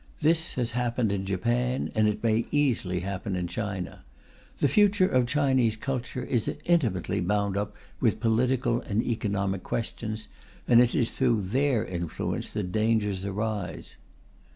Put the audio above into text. This has happened in Japan, and it may easily happen in China. The future of Chinese culture is intimately bound up with political and economic questions; and it is through their influence that dangers arise.